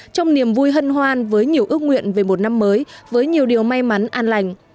trong niềm vui hân hoan với nhiều ước nguyện về một năm mới với nhiều điều may mắn an lành